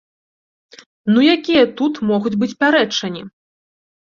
Ну якія тут могуць быць пярэчанні?